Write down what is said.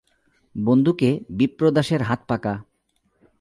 বন্দুকে বিপ্রদাসের হাত পাকা।